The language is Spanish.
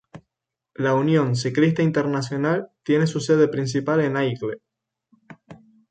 La Unión Ciclista Internacional tiene su sede principal en Aigle.